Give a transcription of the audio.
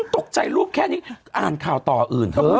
ตกใจลูกแค่นี้อ่านข่าวต่ออื่นเถอะ